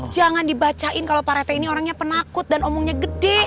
jangan dibacain kalau pak rete ini orangnya penakut dan omongnya gede